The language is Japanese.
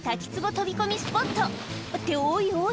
飛び込みスポットっておいおい！